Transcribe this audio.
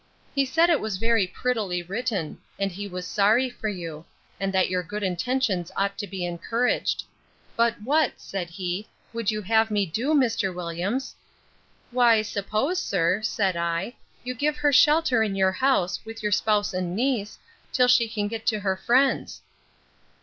'He said it was prettily written: and he was sorry for you; and that your good intentions ought to be encouraged: But what, said he, would you have me do, Mr. Williams? Why suppose, sir, said I, you give her shelter in your house, with your spouse and niece, till she can get to her friends.